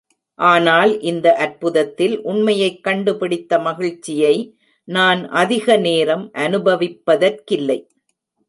ஆனால் இந்த அற்புதத்தில் உண்மையைக் கண்டுபிடித்த மகிழ்ச்சியை நான் அதிக நேரம் அனுபவிப்பதிற்கில்லை.